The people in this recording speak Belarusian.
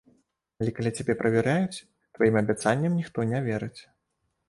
Але калі цябе правяраюць, тваім абяцанням ніхто не верыць.